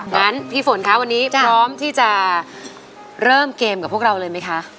งั้นพี่ฝนคะวันนี้พร้อมที่จะเริ่มเกมกับพวกเราเลยไหมคะ